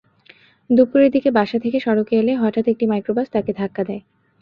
দুপুরের দিকে বাসা থেকে সড়কে এলে হঠাৎ একটি মাইক্রোবাস তাকে ধাক্কা দেয়।